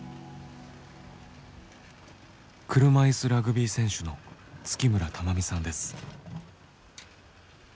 車いすラグビー選手の月村珠実さんです。